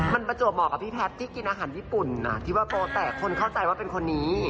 มันประจวบเหมาะกับพี่แพทย์ที่กินอาหารญี่ปุ่นที่ว่าโปรแตกคนเข้าใจว่าเป็นคนนี้